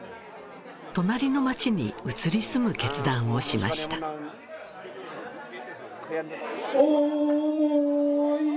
隣の町に移り住む決断をしました思い